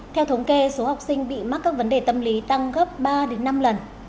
theo thống kê số học sinh bị mắc các vấn đề tâm lý tăng gấp ba đến năm lần